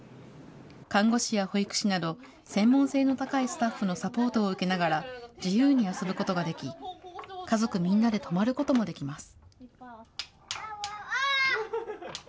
看護師や保育士など、専門性の高いスタッフのサポートを受けながら、自由に遊ぶことができ、家族みんなで泊まることもできます。